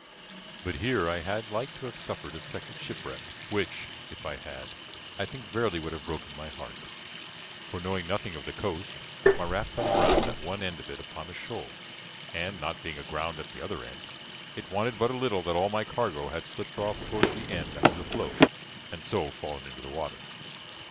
But here I had like to have suffered a second shipwreck, which, if I had, I think verily would have broken my heart; for, knowing nothing of the coast, my raft ran aground at one end of it upon a shoal, and, not being aground at the other end, it wanted but a little that all my cargo had slipped off towards the end that was afloat, and so fallen into the water.